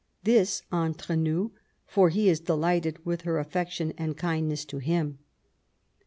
This, entre nous^ for he is delighted with her affection and kindness to him.